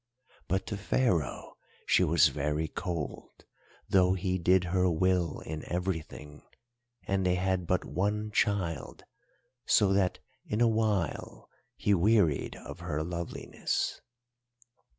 But to Pharaoh she was very cold, though he did her will in everything, and they had but one child, so that in a while he wearied of her loveliness.